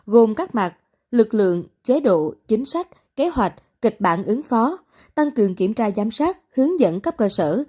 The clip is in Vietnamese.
gồm các mặt lực lượng chế độ chính sách kế hoạch kịch bản ứng phó tăng cường kiểm tra giám sát hướng dẫn cấp cơ sở